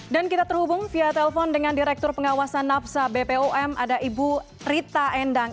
dan kita terhubung via telepon dengan direktur pengawasan nafsa bpom ibu rita endang